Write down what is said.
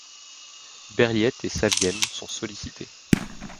Berliet et Saviem sont sollicités.